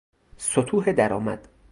سطوح درآمد